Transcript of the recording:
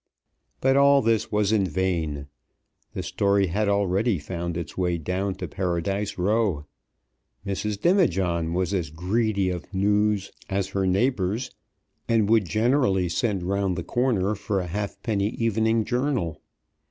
But all this was in vain. The story had already found its way down to Paradise Row. Mrs. Demijohn was as greedy of news as her neighbours, and would generally send round the corner for a halfpenny evening journal.